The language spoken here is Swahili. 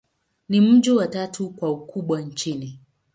Ni mji wa tatu kwa ukubwa nchini.